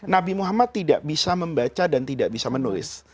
nabi muhammad tidak bisa membaca dan tidak bisa menulis